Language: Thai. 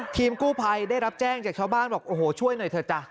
ทีมกู้ภัยได้รับแจ้งจากชาวบ้านบอกโอ้โหช่วยหน่อยเถอะจ้ะ